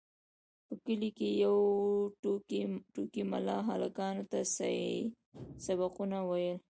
په کلي کې یو ټوکي ملا هلکانو ته سبقونه ویل.